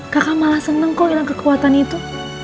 kakak malah seneng kok dengan kekuatan itu